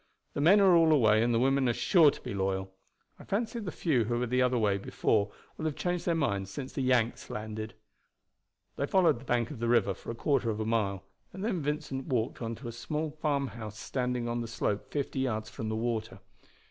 The men are all away, and the women are sure to be loyal. I fancy the few who were the other way before will have changed their minds since the Yanks landed." They followed the bank of the river for a quarter of a mile, and then Vincent walked on to a small farmhouse standing on the slope fifty yards from the water.